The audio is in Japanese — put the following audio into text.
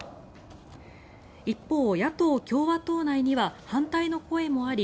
一方、野党・共和党内には反対の声もあり